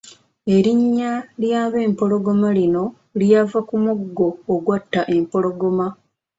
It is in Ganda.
Erinnya ly’Abempologoma lino lyava ku muggo ogwatta empologoma.